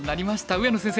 上野先生